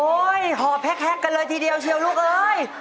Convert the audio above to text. หอบแฮกกันเลยทีเดียวเชียวลูกเอ้ย